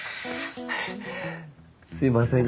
すいません